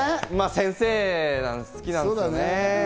先生なんで好きなんですよね。